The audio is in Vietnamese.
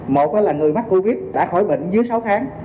một là người mắc covid đã khỏi bệnh dưới sáu tháng